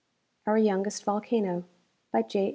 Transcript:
OUR YOUNGEST VOLCANO BY J.